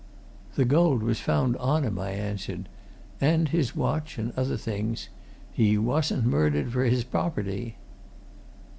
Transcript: "The gold was found on him," I answered. "And his watch and other things. He wasn't murdered for his property."